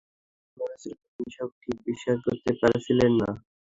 তাঁর কথায় মনে হচ্ছিল, তিনি এসব ঠিক বিশ্বাস করতে পারছিলেন না।